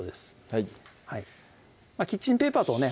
はいキッチンペーパー等をね